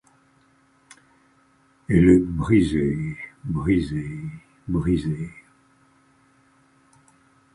Elle est brisée... brisée... brisée!...